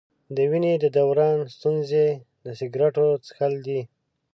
د وینې د دوران ستونزې د سګرټو څښل دي.